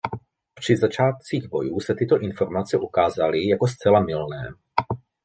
Při začátcích bojů se tyto informace ukázaly jako zcela mylné.